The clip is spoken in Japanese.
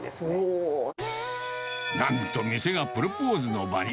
なんと、店がプロポーズの場に。